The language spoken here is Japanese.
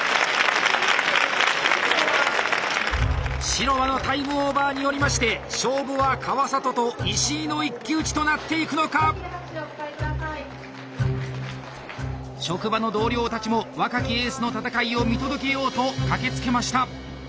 城間のタイムオーバーによりまして勝負は川里と石井の一騎打ちとなっていくのか⁉職場の同僚たちも若きエースの戦いを見届けようと駆けつけました。